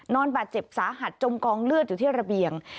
บาดเจ็บสาหัสจมกองเลือดอยู่ที่ระเบียง